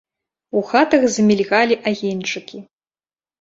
У хатах замільгалі агеньчыкі.